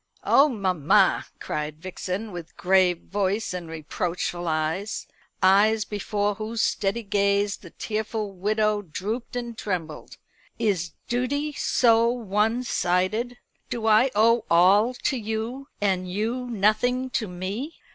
"Oh, mamma!" cried Vixen, with grave voice and reproachful eyes eyes before whose steady gaze the tearful widow drooped and trembled, "is duty so one sided? Do I owe all to you, and you nothing to me?